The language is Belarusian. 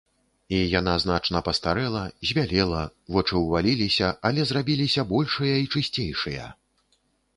І яна значна пастарэла, збялела, вочы ўваліліся, але зрабіліся большыя і чысцейшыя.